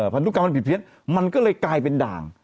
พันธุกรรมมันผิดเพี้ยนมันก็เลยกลายเป็นด่าง